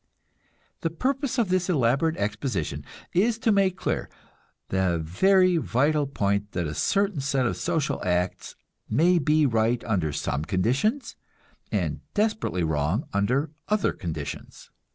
The purpose of this elaborate exposition is to make clear the very vital point that a certain set of social acts may be right under some conditions, and desperately wrong under other conditions.